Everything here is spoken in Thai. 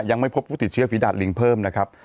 ยังไม่พบผู้ติดเชื้อฝีดาดลิงเพิ่มนะครับ